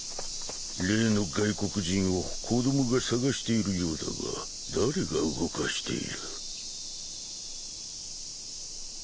例の外国人を子供が捜しているようだが誰が動かしている？